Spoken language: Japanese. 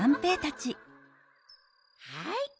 はい。